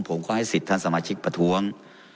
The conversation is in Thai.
ผมก็ให้สิทธิ์ท่านสมาชิกประท้วง